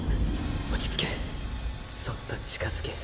落ち着けそっと近づけ。